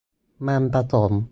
มันผสม